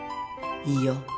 いいよ。